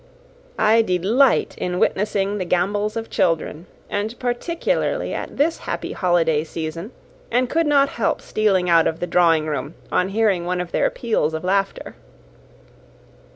I delight in witnessing the gambols of children, and particularly at this happy holiday season, and could not help stealing out of the drawing room on hearing one of their peals of laughter.